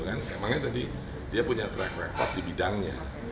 emangnya tadi dia punya track record di bidangnya